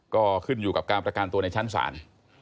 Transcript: ก็ขึ้นอยู่กับการประกันตัวในชั้นศาล